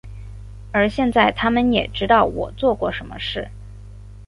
而现在他们也知道我做过什么事。